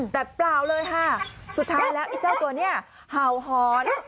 แต่เปล่าเลยค่ะสุดท้ายแล้วไอ้เจ้าตัวนี้เห่าหอน